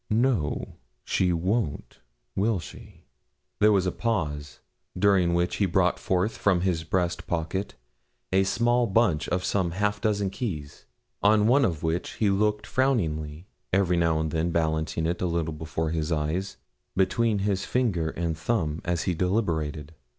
'No, she won't. Will she?' Then there was a pause, during which he brought forth from his breast pocket a small bunch of some half dozen keys, on one of which he looked frowningly, every now and then balancing it a little before his eyes, between his finger and thumb, as he deliberated.